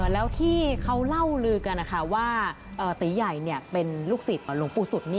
แล้วที่เขาเล่าลือกันนะคะว่าตียัยเป็นลูกศีรษฐ์หลงปูสุทธิ์